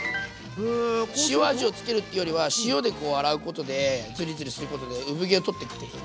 塩味を付けるっていうよりは塩でこう洗うことでズリズリすることで産毛を取っていくっていう。